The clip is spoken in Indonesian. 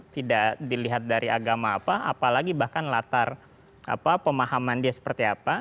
tidak dilihat dari agama apa apalagi bahkan latar pemahaman dia seperti apa